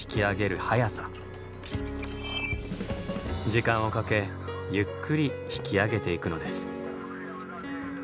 時間をかけゆっくり引き上げていくのです。